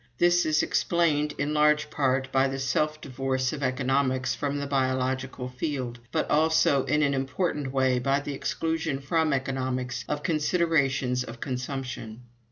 This is explained in large part by the self divorce of Economics from the biological field; but also in an important way by the exclusion from Economics of considerations of consumption.